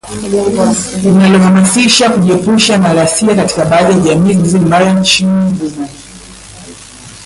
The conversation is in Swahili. linalohamasisha kujiepusha na ghasia katika baadhi ya jamii zilizo imara nchini humo